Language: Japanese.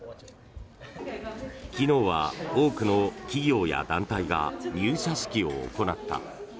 昨日は多くの企業や団体が入社式を行った。